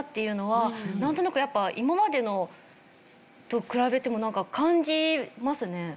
なんとなくやっぱ今までのと比べてもなんか感じますね。